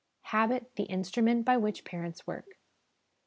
Habit the Instrument by which Parents Work.